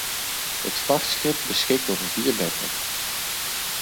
Het vrachtschip beschikt over vier dekken.